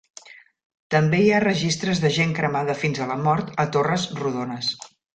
També hi ha registres de gent cremada fins a la mort a torres rodones.